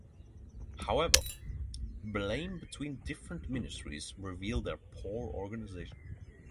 However, blame between different ministries reveals their poor organization.